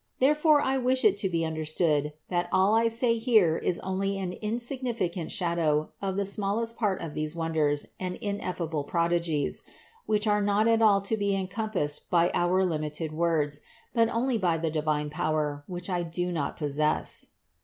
Therefore I wish it to be understood, that all I say here is only an insignificant shadow of the smallest part of these wonders and ineffable prodigies, which are not at all to be encompassed by our limited words, but only by the power divine, which I do not possess.